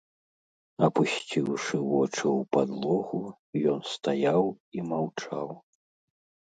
Апусціўшы вочы ў падлогу, ён стаяў і маўчаў.